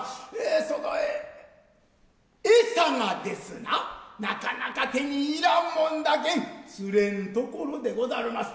そのええさがですななかなか手に入らんもんだけん釣れん所でござるます。